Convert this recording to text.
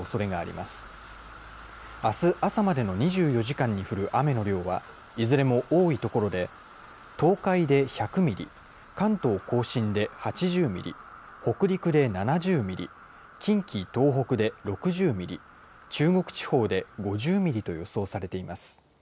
あす朝までの２４時間に降る雨の量は、いずれも多い所で東海で１００ミリ、関東甲信で８０ミリ、北陸で７０ミリ、近畿、東北で６０ミリ、中国地方で５０ミリと予想されています。